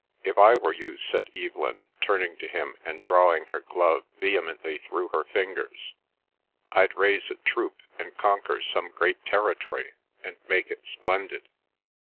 "If I were you," said Evelyn, turning to him and drawing her glove vehemently through her fingers, "I'd raise a troop and conquer some great territory and make it splendid.